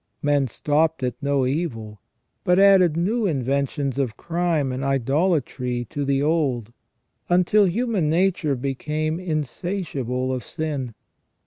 Men stopped at no evil, but added new inventions of crime and idolatry to the old, until human nature became insatiable of sin.